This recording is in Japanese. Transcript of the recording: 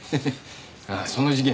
ああその事件